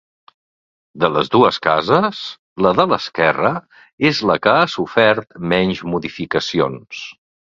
De les dues cases, la de l'esquerra és la que ha sofert menys modificacions.